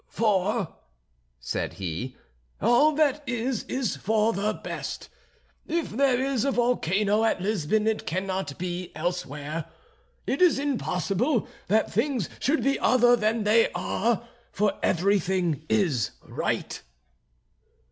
"For," said he, "all that is is for the best. If there is a volcano at Lisbon it cannot be elsewhere. It is impossible that things should be other than they are; for everything is right."